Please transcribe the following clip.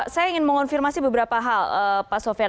saya ingin mengonfirmasi beberapa hal pak sofian